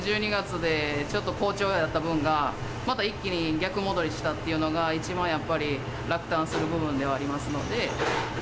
１２月でちょっと好調やった分が、また一気に逆戻りしたっていうのが、一番やっぱり落胆する部分ではありますので。